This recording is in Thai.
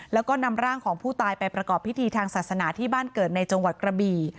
แล้วก็นำร่างของผู้ตายไปประกอบพิธีทางศาสนาที่บ้านเกิดในจังหวัดกระบี่